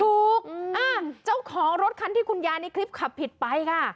เจ้าของรถคันที่คุณยายในคลิปขับผิดไปค่ะ